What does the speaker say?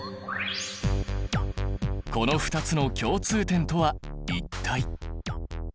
この２つの共通点とは一体？